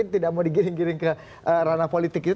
tidak mau digiring giring ke ranah politik itu